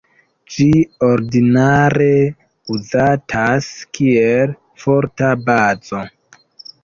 Ĝi ordinare uzatas kiel forta bazo.